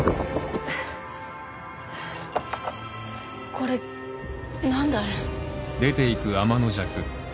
これ何だい？